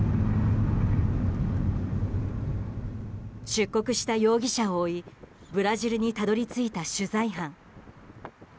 出国した容疑者を追いブラジルにたどり着いた取材班。